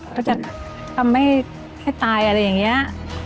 ก็จะทำให้ตายอะไรอย่างนี้